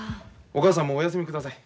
おかあさんもお休みください。